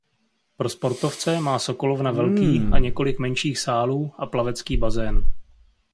Pro sportovce má sokolovna velký a několik menších sálů a plavecký bazén.